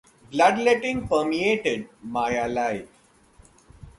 Bloodletting permeated Maya life.